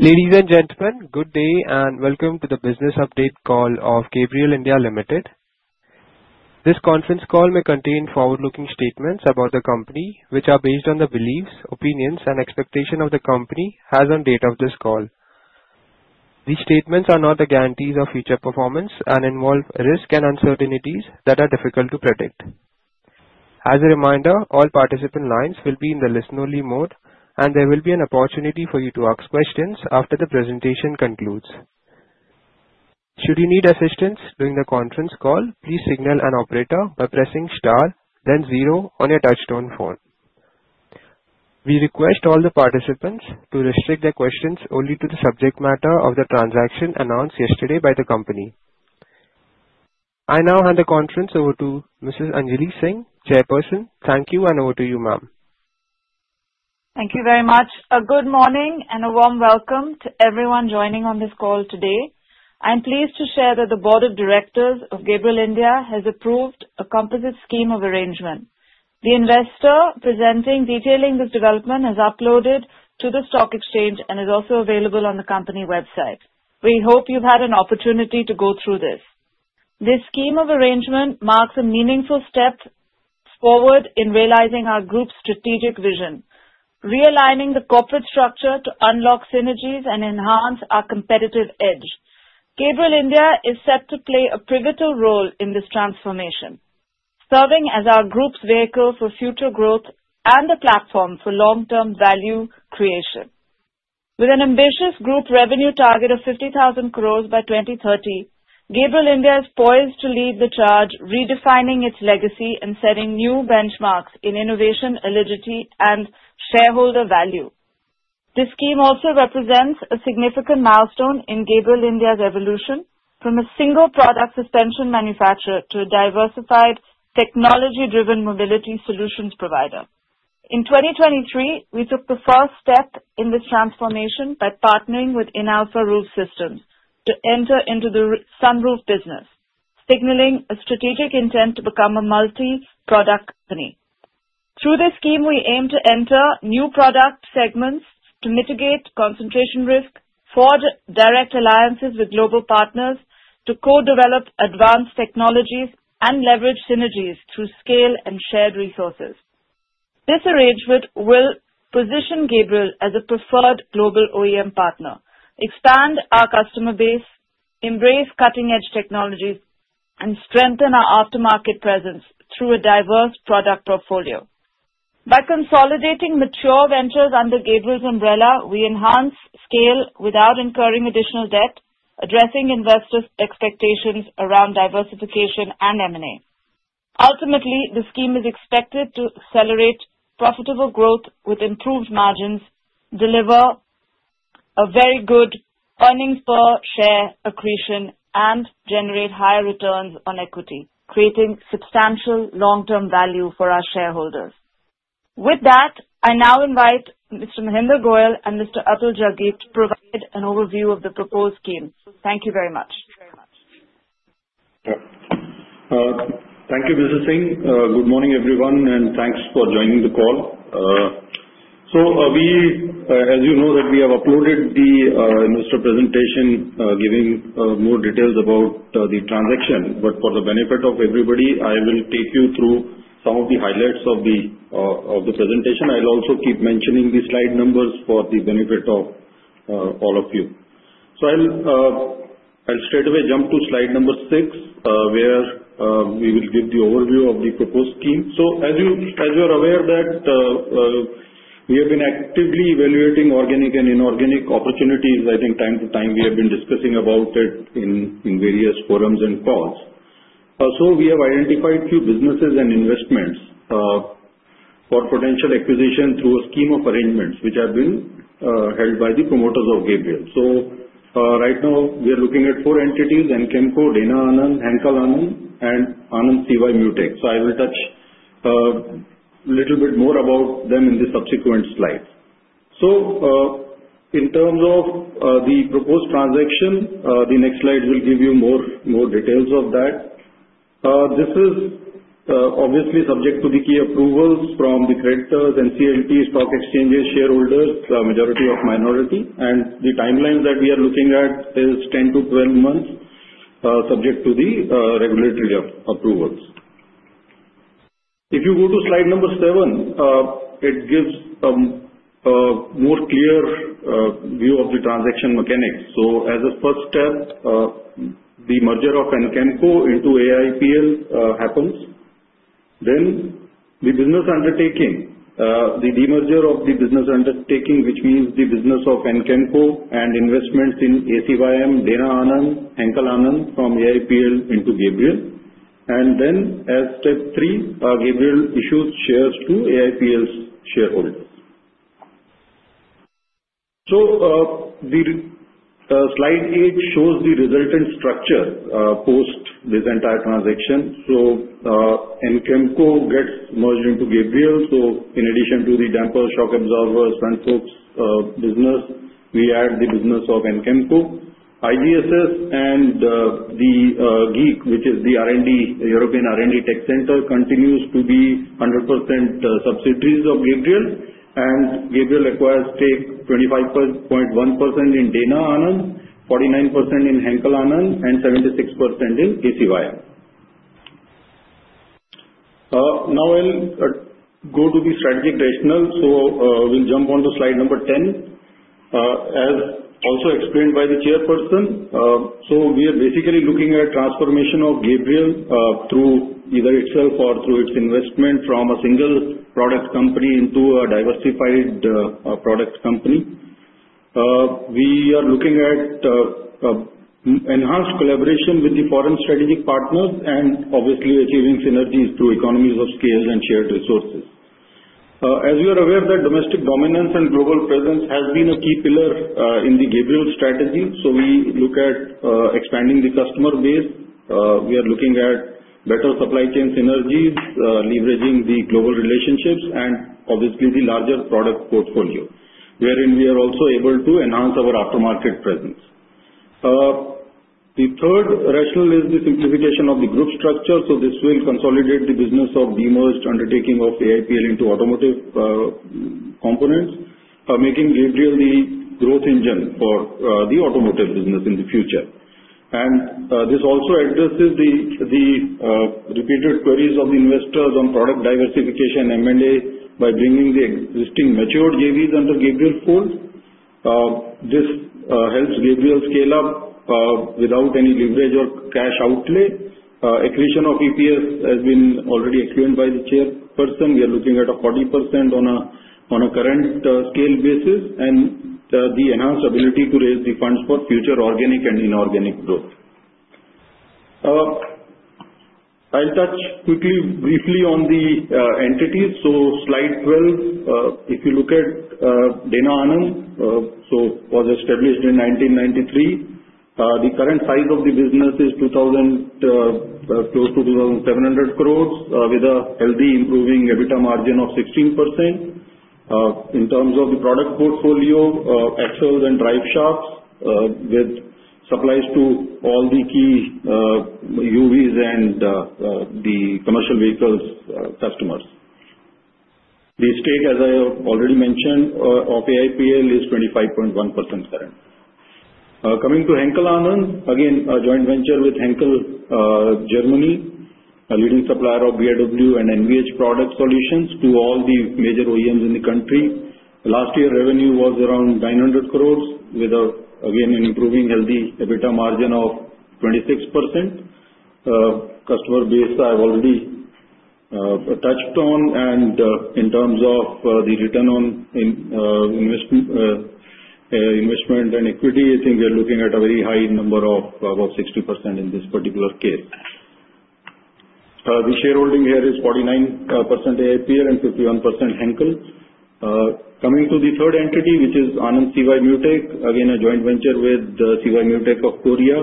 Ladies and gentlemen, good day and welcome to the business update call of Gabriel India Limited. This conference call may contain forward-looking statements about the company, which are based on the beliefs, opinions, and expectations of the company as of the date of this call. These statements are not the guarantees of future performance and involve risks and uncertainties that are difficult to predict. As a reminder, all participant lines will be in the listen-only mode, and there will be an opportunity for you to ask questions after the presentation concludes. Should you need assistance during the conference call, please signal an operator by pressing star, then zero on your touchtone phone. We request all the participants to restrict their questions only to the subject matter of the transaction announced yesterday by the company. I now hand the conference over to Mrs. Anjali Singh, Chairperson. Thank you, and over to you, ma'am. Thank you very much. A good morning and a warm welcome to everyone joining on this call today. I'm pleased to share that the Board of Directors of Gabriel India has approved a composite scheme of arrangement. The investor presentation detailing this development has uploaded to the stock exchange and is also available on the company website. We hope you've had an opportunity to go through this. This scheme of arrangement marks a meaningful step forward in realizing our group's strategic vision, realigning the corporate structure to unlock synergies and enhance our competitive edge. Gabriel India is set to play a pivotal role in this transformation, serving as our group's vehicle for future growth and a platform for long-term value creation. With an ambitious group revenue target of 50,000 crores by 2030, Gabriel India is poised to lead the charge, redefining its legacy and setting new benchmarks in innovation, efficiency, and shareholder value. This scheme also represents a significant milestone in Gabriel India's evolution from a single product suspension manufacturer to a diversified technology-driven mobility solutions provider. In 2023, we took the first step in this transformation by partnering with Inalfa Roof Systems to enter into the sunroof business, signaling a strategic intent to become a multi-product company. Through this scheme, we aim to enter new product segments to mitigate concentration risk, forge direct alliances with global partners to co-develop advanced technologies and leverage synergies through scale and shared resources. This arrangement will position Gabriel as a preferred global OEM partner, expand our customer base, embrace cutting-edge technologies, and strengthen our aftermarket presence through a diverse product portfolio. By consolidating mature ventures under Gabriel's umbrella, we enhance scale without incurring additional debt, addressing investors' expectations around diversification and M&A. Ultimately, the scheme is expected to accelerate profitable growth with improved margins, deliver a very good earnings per share accretion, and generate higher returns on equity, creating substantial long-term value for our shareholders. With that, I now invite Mr. Mahendra Goyal and Mr. Atul Jaggi to provide an overview of the proposed scheme. Thank you very much. Thank you, Mrs. Singh. Good morning, everyone, and thanks for joining the call. So as you know, we have uploaded the investor presentation giving more details about the transaction. But for the benefit of everybody, I will take you through some of the highlights of the presentation. I'll also keep mentioning the slide numbers for the benefit of all of you. So I'll straight away jump to Slide number 6, where we will give the overview of the proposed scheme. So as you are aware that we have been actively evaluating organic and inorganic opportunities, I think from time to time we have been discussing about it in various forums and calls. So we have identified a few businesses and investments for potential acquisition through a scheme of arrangements which have been held by the promoters of Gabriel.So right now, we are looking at four entities: Anchemco, Dana Anand, Henkel Anand, and Anand CY Myutec. So I will touch a little bit more about them in the subsequent slides. So in terms of the proposed transaction, the next slide will give you more details of that. This is obviously subject to the key approvals from the creditors and NCLT, stock exchanges, shareholders, majority of minority, and the timelines that we are looking at are 10 months-12 months, subject to the regulatory approvals. If you go to Slide number 7, it gives a more clear view of the transaction mechanics. So as a first step, the merger of Anchemco into AIPL happens. Then the business undertaking, the demerger of the business undertaking, which means the business of Anchemco and investments in ACYM, Dana Anand, Henkel Anand from AIPL into Gabriel.And then as step three, Gabriel issues shares to AIPL's shareholders. So Slide 8 shows the resultant structure post this entire transaction. So Anchemco gets merged into Gabriel. So in addition to the damper, shock absorber, sunroof business, we add the business of Anchemco. IGSS and the GEEC, which is the European R&D tech center, continues to be 100% subsidiaries of Gabriel. And Gabriel acquires stake 25.1% in Dana Anand, 49% in Henkel Anand, and 76% in ACYM. Now I'll go to the strategic rationale. So we'll jump on to Slide number 10, as also explained by the chairperson. So we are basically looking at transformation of Gabriel through either itself or through its investment from a single product company into a diversified product company. We are looking at enhanced collaboration with the foreign strategic partners and obviously achieving synergies through economies of scale and shared resources. As you are aware, domestic dominance and global presence has been a key pillar in the Gabriel strategy, so we look at expanding the customer base. We are looking at better supply chain synergies, leveraging the global relationships, and obviously the larger product portfolio, wherein we are also able to enhance our aftermarket presence. The third rationale is the simplification of the group structure, so this will consolidate the business of the merged undertaking of AIPL into automotive components, making Gabriel the growth engine for the automotive business in the future, and this also addresses the repeated queries of the investors on product diversification and M&A by bringing the existing matured JVs under Gabriel's fold. This helps Gabriel scale up without any leverage or cash outlay. Acquisition of EPS has been already accrued by the chairperson. We are looking at a 40% on a current scale basis and the enhanced ability to raise the funds for future organic and inorganic growth. I'll touch quickly, briefly on the entities. So Slide 12, if you look at Dana Anand, so it was established in 1993. The current size of the business is close to 2,700 with a healthy improving EBITDA margin of 16%. In terms of the product portfolio, axles and drive shafts with supplies to all the key UVs and the commercial vehicles customers. The stake, as I already mentioned, of AIPL is 25.1% current. Coming to Henkel Anand, again, a joint venture with Henkel Germany, a leading supplier of BIW and NVH product solutions to all the major OEMs in the country. Last year, revenue was around 900 with, again, an improving healthy EBITDA margin of 26%. Customer base I've already touched on.In terms of the return on investment and equity, I think we are looking at a very high number of about 60% in this particular case. The shareholding here is 49% AIPL and 51% Henkel. Coming to the third entity, which is Anand CY Myutec, again, a joint venture with CY Myutec of Korea.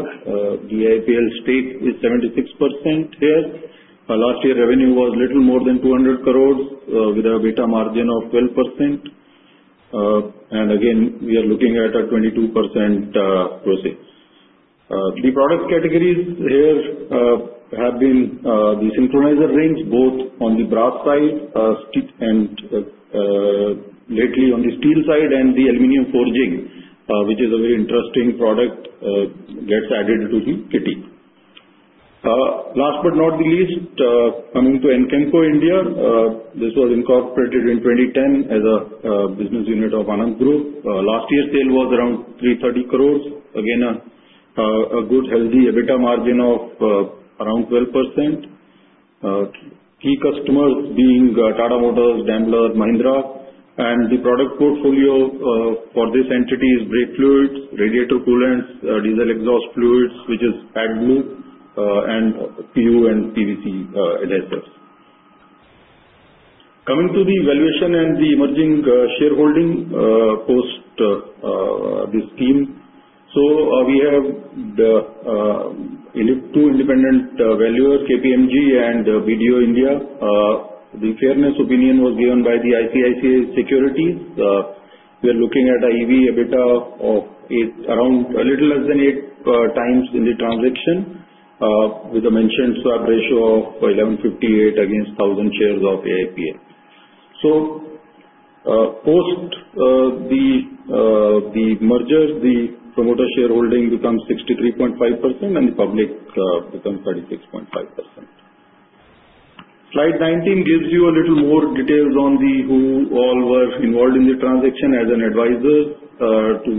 The AIPL stake is 76% here. Last year, revenue was little more than 200 with an EBITDA margin of 12%. Again, we are looking at a 22% proceed. The product categories here have been the synchronizer rings, both on the brass side and lately on the steel side and the aluminum forging, which is a very interesting product that gets added to the kitty. Last but not the least, coming to Anchemco India, this was incorporated in 2010 as a business unit of Anand Group. Last year, sales was around 330, again, a good healthy EBITDA margin of around 12%. Key customers being Tata Motors, Daimler, Mahindra. And the product portfolio for this entity is brake fluids, radiator coolants, diesel exhaust fluids, which is AdBlue, and PU and PVC in essence. Coming to the valuation and the emerging shareholding post this scheme, so we have two independent valuers, KPMG and BDO India. The fairness opinion was given by the ICICI Securities. We are looking at an EV EBITDA of around a little less than 8x in the transaction with a mentioned swap ratio of 1158 against 1,000 shares of AIPL. So post the merger, the promoter shareholding becomes 63.5% and the public becomes 36.5%. Slide 19 gives you a little more details on who all were involved in the transaction. As an advisor to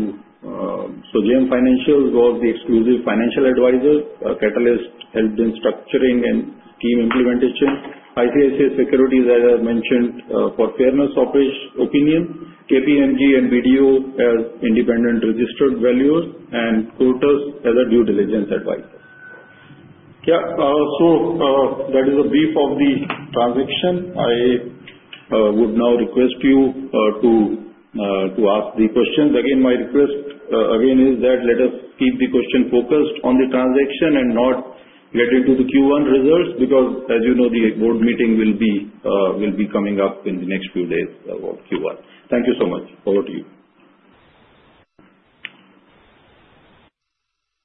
Sagan Advisors was the exclusive financial advisor. Catalyst helped in structuring and scheme implementation. ICICI Securities, as I mentioned, for fairness opinion. KPMG and BDO as independent registered valuers and Quartus as a due diligence advisor. So that is a brief of the transaction. I would now request you to ask the questions. Again, my request again is that let us keep the question focused on the transaction and not get into the Q1 results because, as you know, the board meeting will be coming up in the next few days about Q1. Thank you so much. Over to you.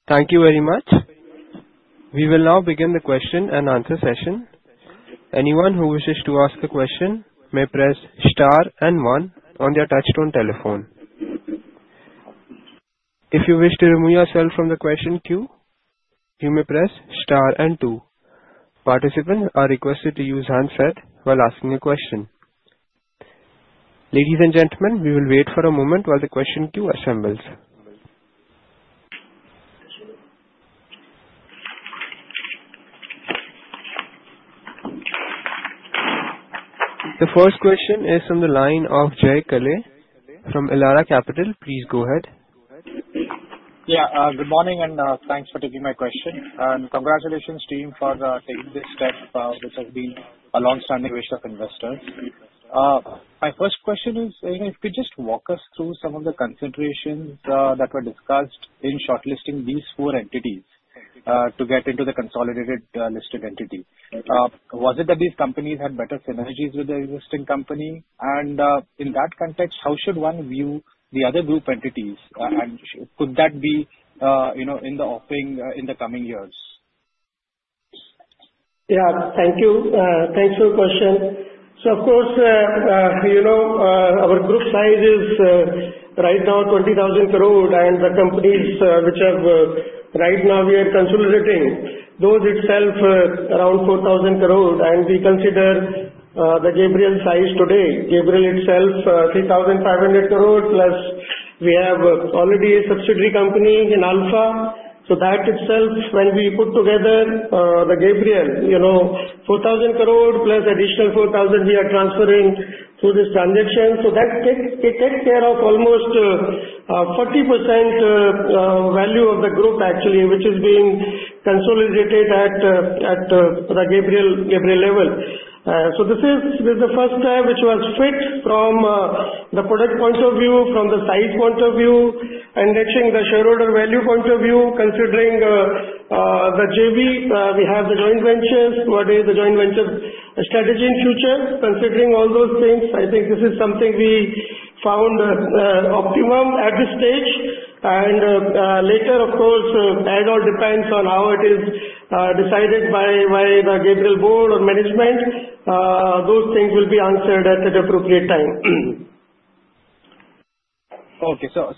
Thank you very much. We will now begin the question and answer session. Anyone who wishes to ask a question may press star and one on their touch-tone telephone. If you wish to remove yourself from the question queue, you may press star and two. Participants are requested to use handset while asking a question. Ladies and gentlemen, we will wait for a moment while the question queue assembles. The first question is from the line of Jay Kale from Elara Capital. Please go ahead. Yeah, good morning and thanks for taking my question. And congratulations team for taking this step, which has been a long-standing wish of investors. My first question is, if you could just walk us through some of the considerations that were discussed in shortlisting these four entities to get into the consolidated listed entity. Was it that these companies had better synergies with the existing company? And in that context, how should one view the other group entities? And could that be in the offing in the coming years? Yeah, thank you. Thanks for the question. So of course, our group size is right now 20,000. And the companies which have right now we are consolidating, those itself around 4,000. And we consider the Gabriel size today, Gabriel itself 3,500 plus we have already a subsidiary company in Inalfa. So that itself when we put together the Gabriel, 4,000 plus additional 4,000 we are transferring through this transaction. So that takes care of almost 40% value of the group actually, which is being consolidated at the Gabriel level. So this is the first time which was fit from the product point of view, from the size point of view, enriching the shareholder value point of view, considering the JV. We have the joint ventures. What is the joint venture strategy in future? Considering all those things, I think this is something we found optimum at this stage, and later, of course, it all depends on how it is decided by the Gabriel board or management. Those things will be answered at an appropriate time. Okay, so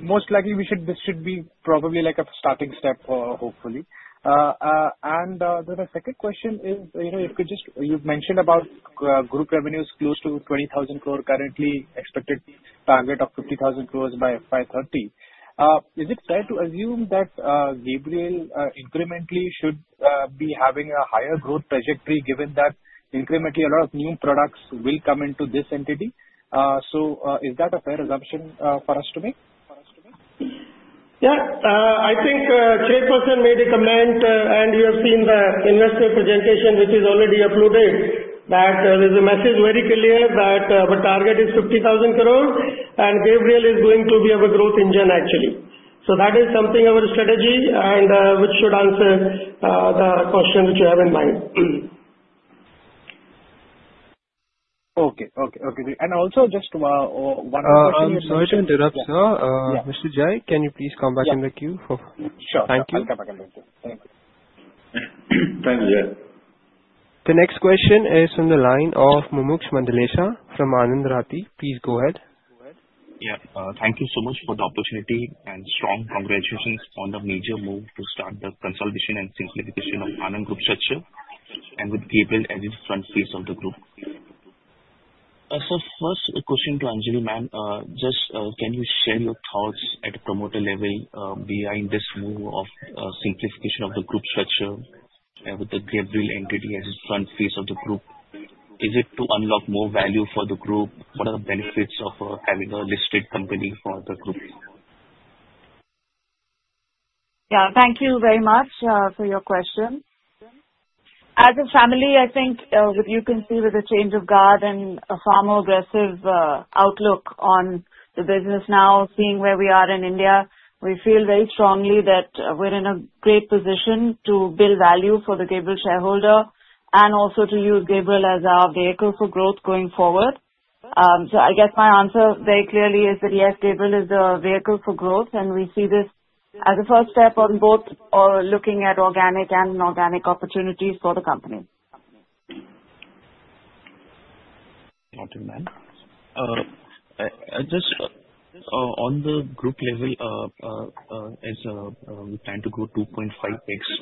most likely we should be probably like a starting step, hopefully. And then the second question is, if you could just, you've mentioned about group revenues close to 20,000 currently, expected target of 50,000 by FY 2030. Is it fair to assume that Gabriel incrementally should be having a higher growth trajectory given that incrementally a lot of new products will come into this entity? So is that a fair assumption for us to make? Yeah, I think Jay Kale made a comment, and you have seen the investor presentation, which is already uploaded, that there is a message very clear that the target is 50,000 and Gabriel is going to be a growth engine actually. So that is something of our strategy and which should answer the question which you have in mind. Okay, okay, okay. And also just one more question. Sorry to interrupt, sir. Mr. Jay, can you please come back in the queue? Sure. Thank you. Thank you, Jay. The next question is from the line of Mumuksh Mandlesha from Anand Rathi. Please go ahead. Yeah, thank you so much for the opportunity and strong congratulations on the major move to start the consolidation and simplification of Anand Group structure and with Gabriel as its front face of the group. So first, a question to Anjali ma'am, just can you share your thoughts at a promoter level behind this move of simplification of the group structure with the Gabriel entity as its front face of the group? Is it to unlock more value for the group? What are the benefits of having a listed company for the group? Yeah, thank you very much for your question. As a family, I think you can see with the change of guard and a far more aggressive outlook on the business now, seeing where we are in India, we feel very strongly that we're in a great position to build value for the Gabriel shareholder and also to use Gabriel as our vehicle for growth going forward. So I guess my answer very clearly is that yes, Gabriel is a vehicle for growth, and we see this as a first step on both looking at organic and inorganic opportunities for the company. Thank you, ma'am. Just on the group level, as we plan to grow 2.5x.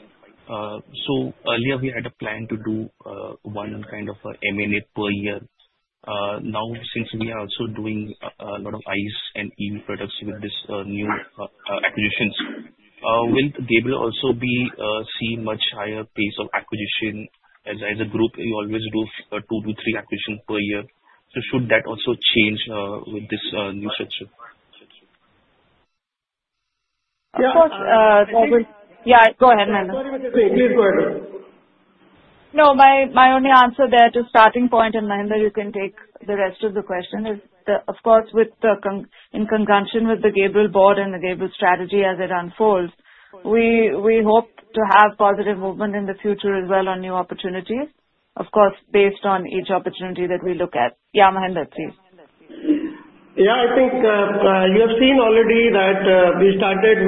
So earlier, we had a plan to do one kind of M&A per year. Now, since we are also doing a lot of ICE and EV products with this new acquisitions, will Gabriel also see a much higher pace of acquisition? As a group, we always do two to three acquisitions per year. So should that also change with this new structure? Of course. Yeah, go ahead, Mahendra. No, my only answer there to starting point, and Mahendra, you can take the rest of the question. Of course, in conjunction with the Gabriel board and the Gabriel strategy as it unfolds, we hope to have positive movement in the future as well on new opportunities, of course, based on each opportunity that we look at. Yeah, Mahendra, please. Yeah, I think you have seen already that we started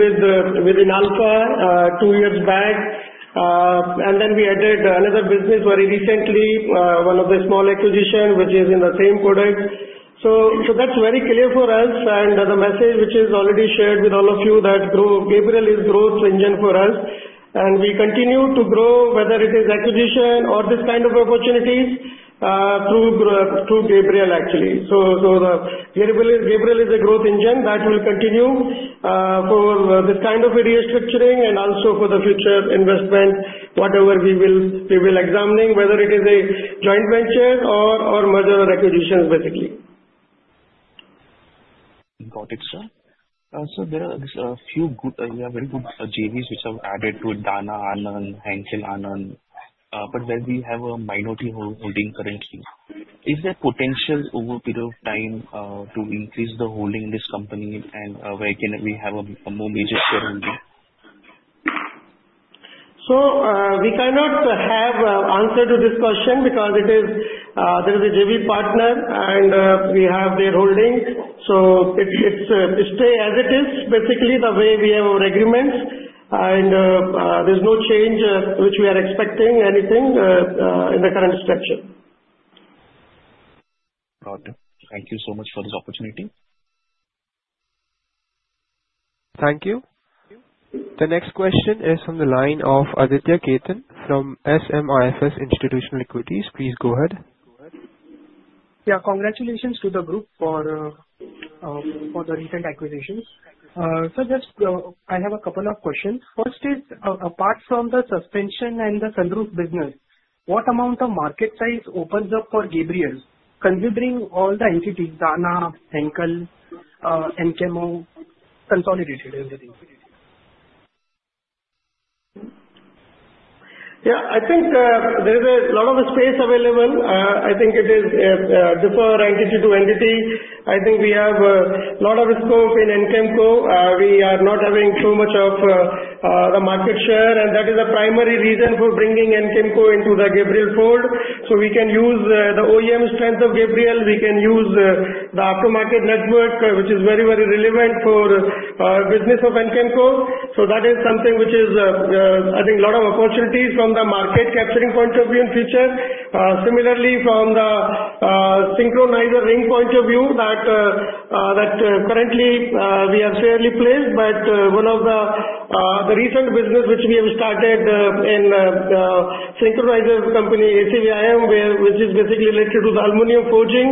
with Inalfa two years back, and then we added another business very recently, one of the small acquisitions, which is in the same product. So that's very clear for us. And the message which is already shared with all of you that Gabriel is a growth engine for us, and we continue to grow whether it is acquisition or this kind of opportunities through Gabriel, actually. So Gabriel is a growth engine that will continue for this kind of a restructuring and also for the future investment, whatever we will be examining, whether it is a joint venture or merger or acquisitions, basically. Got it, sir. So there are a few good, we have very good JVs which have added to Dana Anand, Henkel Anand, but where we have a minority holding currently. Is there potential over a period of time to increase the holding in this company and where can we have a more major shareholding? So we cannot have an answer to this question because there is a JV partner and we have their holding. So it stays as it is, basically the way we have our agreements, and there's no change which we are expecting anything in the current structure. Got it. Thank you so much for this opportunity. Thank you. The next question is from the line of Aditya Khetan from SMIFS Institutional Equities. Please go ahead. Yeah, congratulations to the group for the recent acquisitions. So just I have a couple of questions. First is, apart from the suspension and the sunroof business, what amount of market size opens up for Gabriel considering all the entities, Dana, Henkel, Anchemco, consolidated everything? Yeah, I think there is a lot of space available. I think it is deferred entity to entity. I think we have a lot of scope in Anchemco. We are not having too much of the market share, and that is the primary reason for bringing Anchemco into the Gabriel fold. So we can use the OEM strength of Gabriel. We can use the aftermarket network, which is very, very relevant for the business of Anchemco. So that is something which is, I think, a lot of opportunities from the market capturing point of view in the future. Similarly, from the synchronizer ring point of view, that currently we are fairly placed, but one of the recent businesses which we have started in the synchronizer company, Anand CY Myutec, which is basically related to the aluminum forging,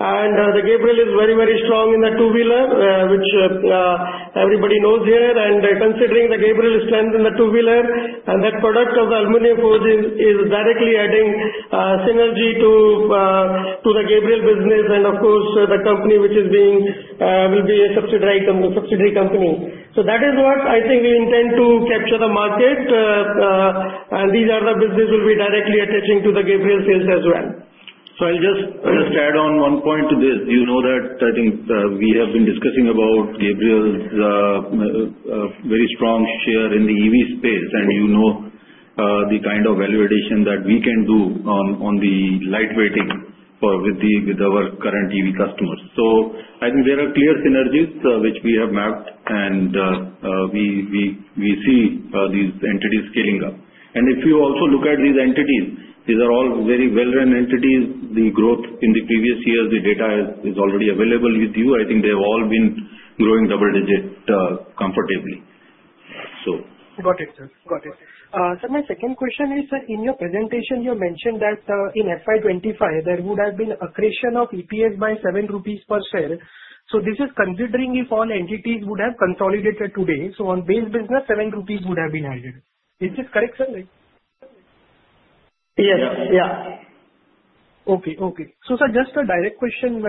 and the Gabriel is very, very strong in the two-wheeler, which everybody knows here. And considering the Gabriel strength in the two-wheeler, and that product of the aluminum forging is directly adding synergy to the Gabriel business, and of course, the company which is being will be a subsidiary company. So that is what I think we intend to capture the market, and these are the businesses which will be directly attaching to the Gabriel sales as well. So I'll just add on one point to this. You know that I think we have been discussing about Gabriel's very strong share in the EV space, and you know the kind of valuation that we can do on the lightweighting with our current EV customers. So I think there are clear synergies which we have mapped, and we see these entities scaling up. And if you also look at these entities, these are all very well-run entities. The growth in the previous years, the data is already available with you. I think they have all been growing double-digit comfortably. So. Got it, sir. Got it. So my second question is, sir, in your presentation, you mentioned that in FY 2025, there would have been an accretion of EPS by 7 rupees per share. So this is considering if all entities would have consolidated today. So on base business, 7 rupees would have been added. Is this correct, sir? Yes. Yeah. Okay. So sir, just a direct question,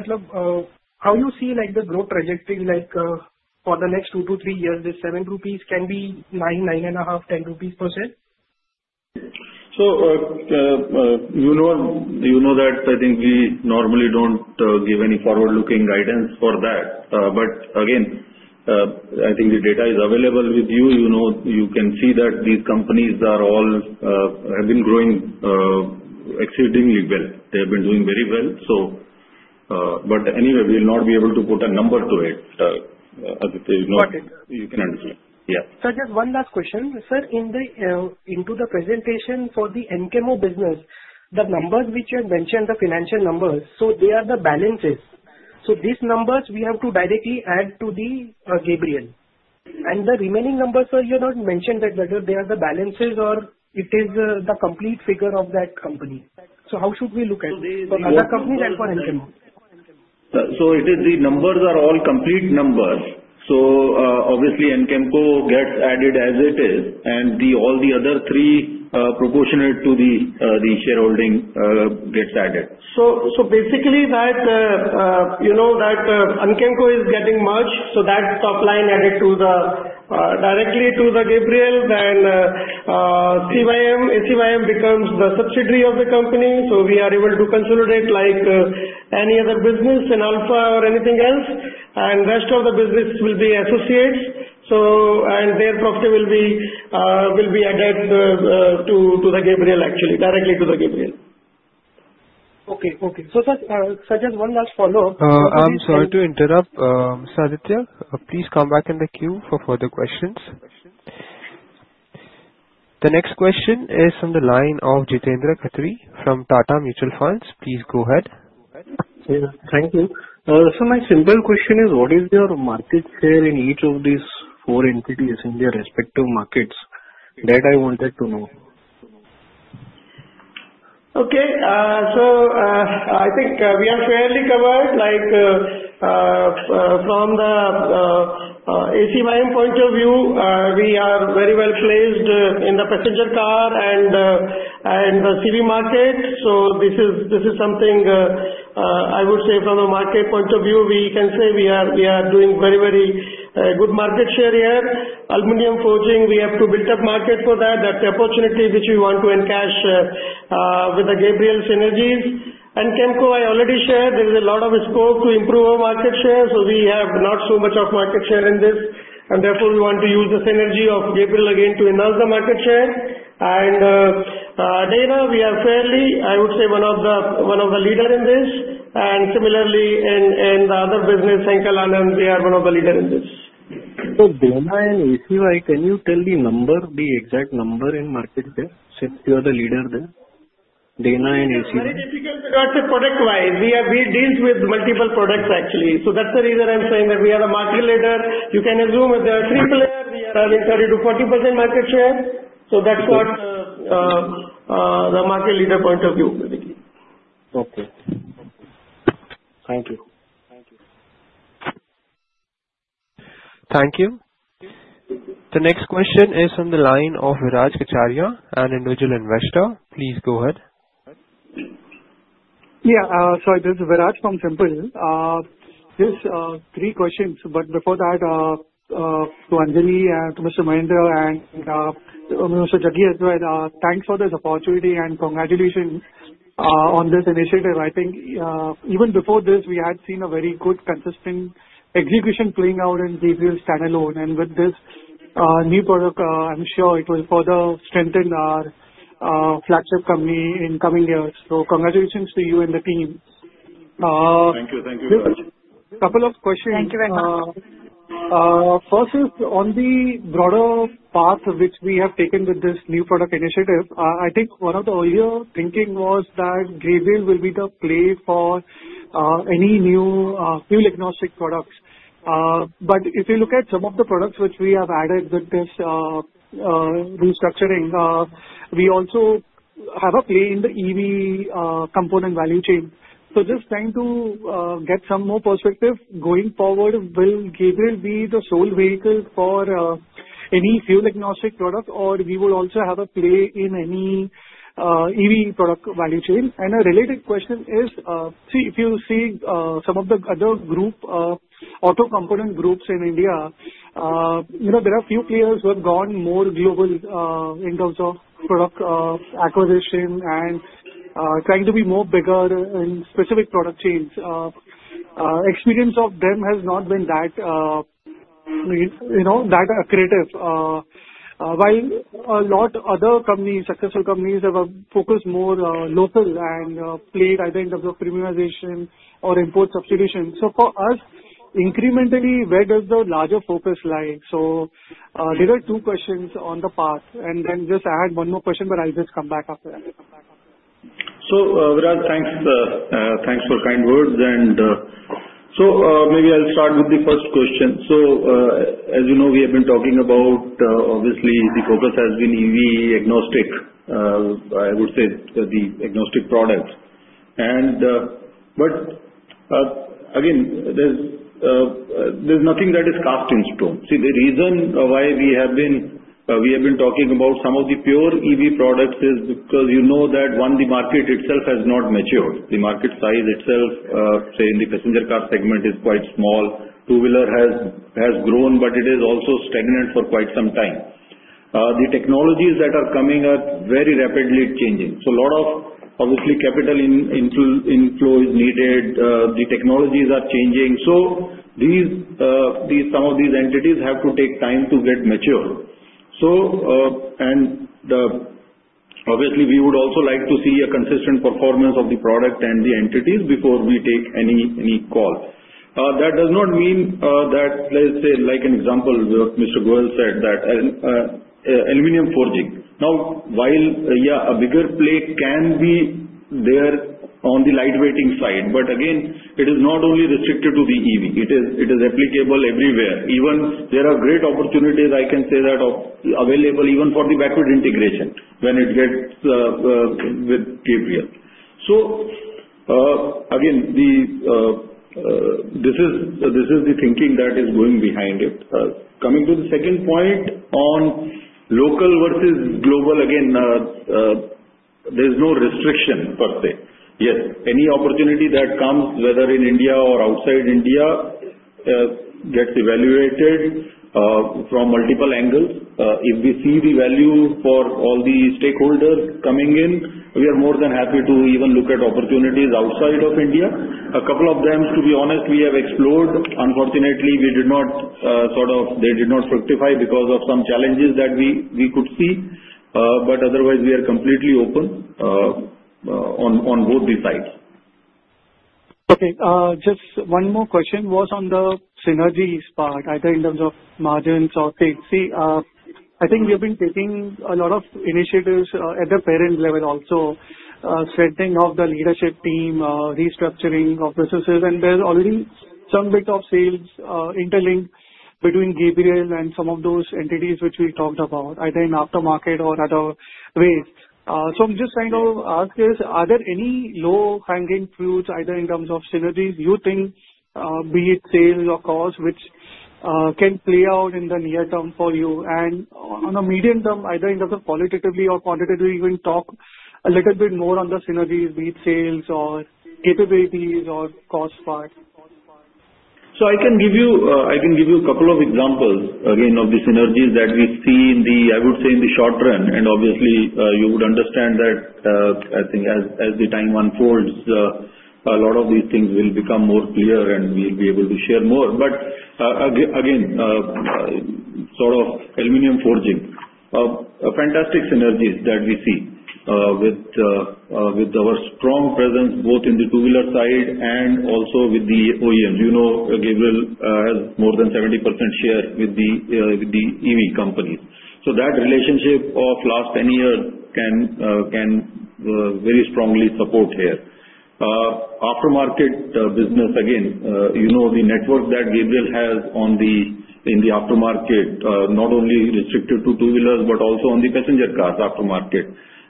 how do you see the growth trajectory for the next two to three years, this 7 rupees can be nine, nine and a half, 10 rupees per share? So you know that I think we normally don't give any forward-looking guidance for that. But again, I think the data is available with you. You can see that these companies have been growing exceedingly well. They have been doing very well. But anyway, we will not be able to put a number to it. You can understand. Yeah. Just one last question, sir. In the presentation for the Anchemco business, the numbers which you have mentioned, the financial numbers, so they are the balances. So these numbers we have to directly add to the Gabriel. And the remaining numbers, sir, you don't mention that whether they are the balances or it is the complete figure of that company. So how should we look at it? For other companies and for Anchemco? The numbers are all complete numbers. Obviously, Anchemco gets added as it is, and all the other three proportionate to the shareholding gets added. So basically, that Anchemco is getting merged, so that top line added directly to the Gabriel, then ACYM becomes the subsidiary of the company. So we are able to consolidate like any other business in AIPL or anything else, and the rest of the business will be associates. And their profit will be added to the Gabriel, actually, directly to the Gabriel. Okay, okay. So sir, just one last follow-up. I'm sorry to interrupt. Sir Aditya, please come back in the queue for further questions. The next question is from the line of Jeetendra Khatri from Tata Mutual Funds. Please go ahead. Thank you. My simple question is, what is your market share in each of these four entities in their respective markets? That I wanted to know. Okay, so I think we are fairly covered. From the ACYM point of view, we are very well placed in the passenger car and the CV market. So this is something I would say from a market point of view, we can say we are doing very, very good market share here. Aluminum forging, we have to build up market for that. That's the opportunity which we want to encash with the Gabriel synergies. And Anchemco, I already shared, there is a lot of scope to improve our market share. So we have not so much of market share in this. And therefore, we want to use the synergy of Gabriel again to enhance the market share. And Dana, we are fairly, I would say, one of the leaders in this. And similarly, in the other business, Henkel, Anand, we are one of the leaders in this. So Dana and ACY, can you tell the exact number in market share since you are the leader there? Dana and ACY. It's very difficult to talk product-wise. We deal with multiple products, actually. So that's the reason I'm saying that we are the market leader. You can assume that there are three players. We are earning 30%-40% market share. So that's what the market leader point of view, basically. Okay. Thank you. Thank you. The next question is from the line of Viraj Kacharia, an individual investor. Please go ahead. Yeah, so this is Viraj from SiMPL. Just three questions. But before that, to Anjali and to Mr. Mahinder and Mr. Jaggi as well, thanks for this opportunity and congratulations on this initiative. I think even before this, we had seen a very good consistent execution playing out in Gabriel standalone. And with this new product, I'm sure it will further strengthen our flagship company in coming years. So congratulations to you and the team. Thank you. Thank you very much. A couple of questions. Thank you very much. First is on the broader path which we have taken with this new product initiative. I think one of the earlier thinking was that Gabriel will be the play for any new fuel-agnostic products. But if you look at some of the products which we have added with this restructuring, we also have a play in the EV component value chain. So just trying to get some more perspective, going forward, will Gabriel be the sole vehicle for any fuel-agnostic product, or we will also have a play in any EV product value chain? And a related question is, see, if you see some of the other auto component groups in India, there are a few players who have gone more global in terms of product acquisition and trying to be more bigger in specific product chains. Experience of them has not been that great. While a lot of other successful companies have focused more local and played either in terms of premiumization or import substitution. So for us, incrementally, where does the larger focus lie? So there are two questions on the path, and then just add one more question, but I'll just come back after that. So, Viraj, thanks for kind words. And so maybe I'll start with the first question. So as you know, we have been talking about, obviously, the focus has been EV-agnostic, I would say, the agnostic products. But again, there's nothing that is cast in stone. See, the reason why we have been talking about some of the pure EV products is because you know that, one, the market itself has not matured. The market size itself, say, in the passenger car segment, is quite small. Two-wheeler has grown, but it is also stagnant for quite some time. The technologies that are coming are very rapidly changing. So a lot of, obviously, capital inflow is needed. The technologies are changing. So some of these entities have to take time to get mature. And obviously, we would also like to see a consistent performance of the product and the entities before we take any call. That does not mean that, let's say, like an example that Mr. Goyal said, that aluminum forging. Now, while yeah, a bigger play can be there on the lightweighting side, but again, it is not only restricted to the EV. It is applicable everywhere. Even there are great opportunities, I can say, that are available even for the backward integration when it gets with Gabriel. So again, this is the thinking that is going behind it. Coming to the second point on local versus global, again, there's no restriction per se. Yes, any opportunity that comes, whether in India or outside India, gets evaluated from multiple angles. If we see the value for all the stakeholders coming in, we are more than happy to even look at opportunities outside of India. A couple of them, to be honest, we have explored. Unfortunately, they did not fructify because of some challenges that we could see. But otherwise, we are completely open on both the sides. Okay. Just one more question was on the synergies part, either in terms of margins or sales. See, I think we have been taking a lot of initiatives at the parent level also, strengthening of the leadership team, restructuring of businesses. And there's already some bit of sales interlink between Gabriel and some of those entities which we talked about, either in aftermarket or other ways. So I'm just trying to ask you, are there any low-hanging fruits, either in terms of synergies, you think, be it sales or cost, which can play out in the near term for you? And on a medium term, either in terms of qualitatively or quantitatively, you can talk a little bit more on the synergies, be it sales or capabilities or cost part? So I can give you a couple of examples, again, of the synergies that we see, I would say, in the short run. And obviously, you would understand that, I think, as the time unfolds, a lot of these things will become more clear, and we'll be able to share more. But again, sort of aluminum forging, fantastic synergies that we see with our strong presence both in the two-wheeler side and also with the OEMs. You know Gabriel has more than 70% share with the EV companies. So that relationship of last 10 years can very strongly support here. Aftermarket business, again, you know the network that Gabriel has in the aftermarket, not only restricted to two-wheelers, but also on the passenger cars aftermarket.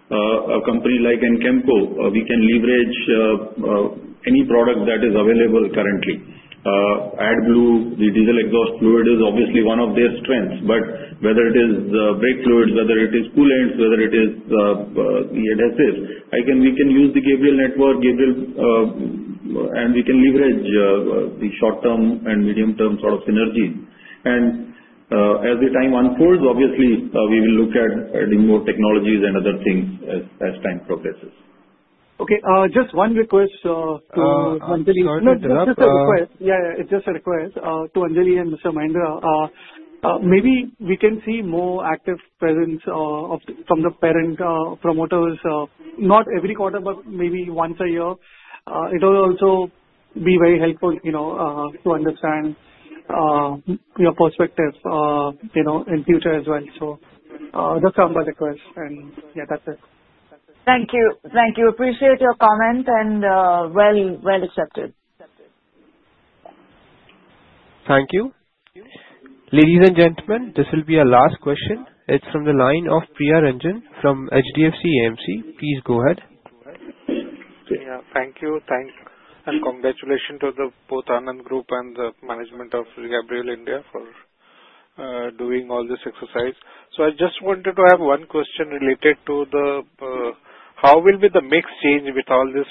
A company like Anchemco, we can leverage any product that is available currently. AdBlue, the diesel exhaust fluid is obviously one of their strengths. But whether it is the brake fluids, whether it is coolants, whether it is the adhesives, we can use the Gabriel network, and we can leverage the short-term and medium-term sort of synergies. And as the time unfolds, obviously, we will look at adding more technologies and other things as time progresses. Okay. Just one request to Anjali. Sorry. No, it's just a request. Yeah, yeah. It's just a request to Anjali and Mr. Mahendra. Maybe we can see more active presence from the parent promoters, not every quarter, but maybe once a year. It will also be very helpful to understand your perspective in future as well, so just a humble request, and yeah, that's it. Thank you. Thank you. Appreciate your comment and well accepted. Thank you. Ladies and gentlemen, this will be our last question. It's from the line of Priya Ranjan from HDFC AMC. Please go ahead. Yeah. Thank you. And congratulations to both Anand Group and the management of Gabriel India for doing all this exercise. So I just wanted to have one question related to the how will be the mix change with all this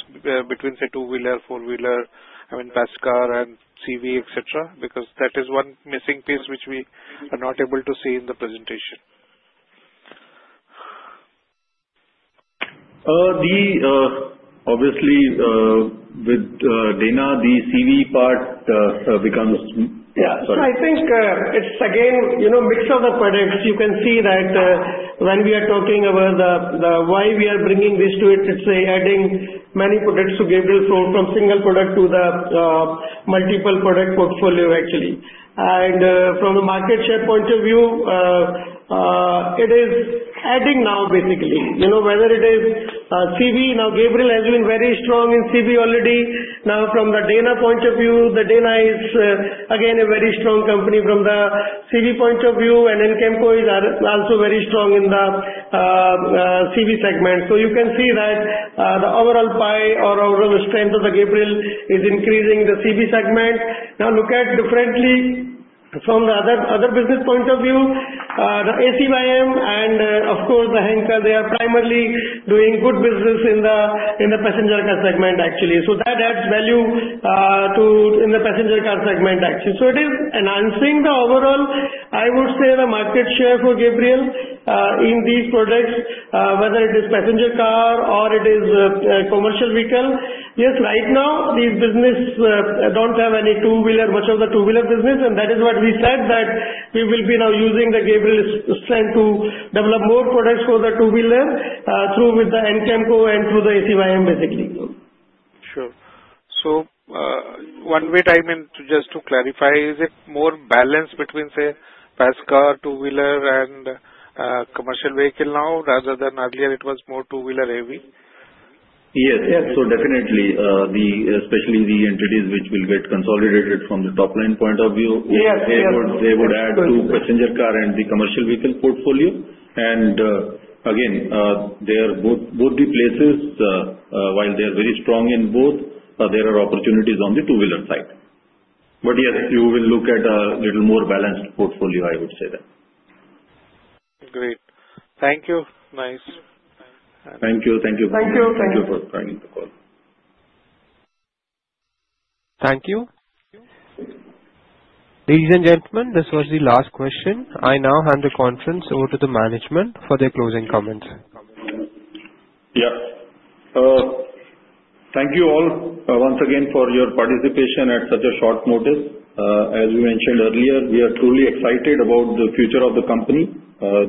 between, say, two-wheeler, four-wheeler, I mean, Passenger Car and CV, etc.? Because that is one missing piece which we are not able to see in the presentation. Obviously, with Dana, the CV part becomes. Yeah, sorry. So I think it's, again, a mix of the products. You can see that when we are talking about why we are bringing this to it, it's adding many products to Gabriel from single product to the multiple product portfolio, actually. And from the market share point of view, it is adding now, basically. Whether it is CV, now Gabriel has been very strong in CV already. Now, from the Dana point of view, the Dana is, again, a very strong company. From the CV point of view, and Anchemco is also very strong in the CV segment. So you can see that the overall pie or overall strength of the Gabriel is increasing the CV segment. Now, look at differently from the other business point of view, the ACYM and, of course, the Henkel, they are primarily doing good business in the passenger car segment, actually. So that adds value in the passenger car segment, actually. So it is enhancing the overall, I would say, the market share for Gabriel in these products, whether it is passenger car or it is a commercial vehicle. Yes, right now, these businesses don't have any two-wheeler, much of the two-wheeler business. And that is what we said, that we will be now using the Gabriel strength to develop more products for the two-wheeler through with the Anchemco and through the ACYM, basically. Sure. One way I mean just to clarify is it more balanced between, say, passenger car, two-wheeler, and commercial vehicle now, rather than earlier it was more two-wheeler heavy? Yes. Yes. So definitely, especially the entities which will get consolidated from the top line point of view, they would add to passenger car and the commercial vehicle portfolio. And again, both the places, while they are very strong in both, there are opportunities on the two-wheeler side. But yes, you will look at a little more balanced portfolio, I would say then. Great. Thank you. Nice. Thank you. Thank you very much. Thank you. Thank you for joining the call. Thank you. Ladies and gentlemen, this was the last question. I now hand the conference over to the management for their closing comments. Yeah. Thank you all once again for your participation at such a short notice. As we mentioned earlier, we are truly excited about the future of the company.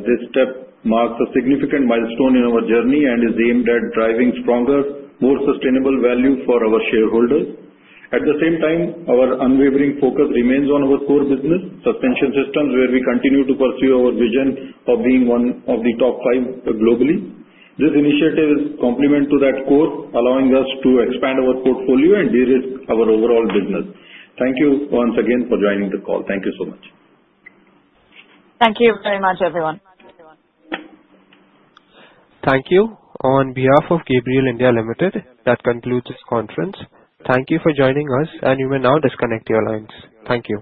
This step marks a significant milestone in our journey and is aimed at driving stronger, more sustainable value for our shareholders. At the same time, our unwavering focus remains on our core business, suspension systems, where we continue to pursue our vision of being one of the top five globally. This initiative is a complement to that core, allowing us to expand our portfolio and de-risk our overall business. Thank you once again for joining the call. Thank you so much. Thank you very much, everyone. Thank you. On behalf of Gabriel India Limited, that concludes this conference. Thank you for joining us, and you may now disconnect your lines. Thank you.